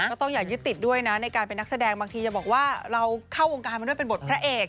ก็ต้องอย่ายึดติดด้วยนะในการเป็นนักแสดงบางทีจะบอกว่าเราเข้าวงการมาด้วยเป็นบทพระเอก